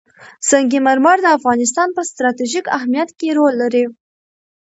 سنگ مرمر د افغانستان په ستراتیژیک اهمیت کې رول لري.